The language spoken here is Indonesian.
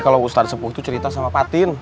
kalau ustadz sepuh itu cerita sama patin